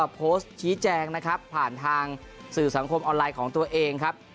โพสต์ชี้แจงนะครับผ่านทางสื่อสังคมออนไลน์ของตัวเองครับ